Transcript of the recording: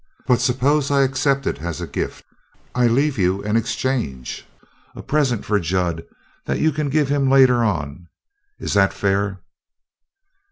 But suppose I accept it as a gift; I leave you an exchange a present for Jud that you can give him later on. Is that fair?"